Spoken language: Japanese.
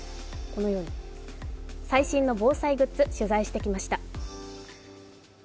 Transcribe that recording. このように、最新の防災グッズ、取材してきました。